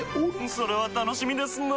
それは楽しみですなぁ。